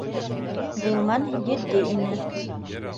— Ғилман етди ине